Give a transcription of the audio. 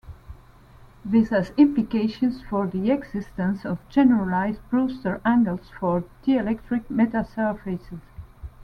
This has implications for the existence of generalized Brewster angles for dielectric metasurfaces.